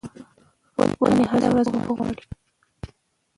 ونې هره ورځ اوبه غواړي.